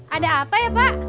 ada apa ya pak